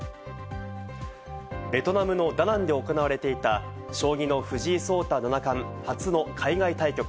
ベトナムのダナンで行われていた将棋の藤井聡太七冠、初の海外対局。